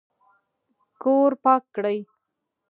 کور پاک کړئ